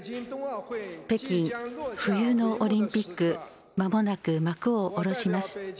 北京冬のオリンピックまもなく幕を下ろします。